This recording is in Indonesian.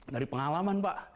dari pengalaman pak